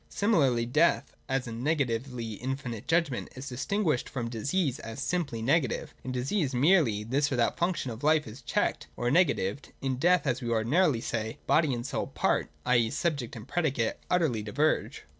Similarly death, as a negatively infinite judgment, is distinguished from disease as simply negative. In disease, merely this or that function of life is checked or negatived : in death, as we ordinarily say, body and soul part, i. e. subject and predicate utterly diverge.